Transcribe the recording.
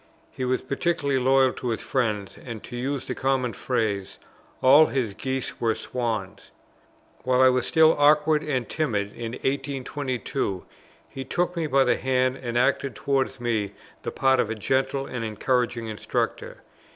He was particularly loyal to his friends, and to use the common phrase, "all his geese were swans." While I was still awkward and timid in 1822, he took me by the hand, and acted towards me the part of a gentle and encouraging instructor.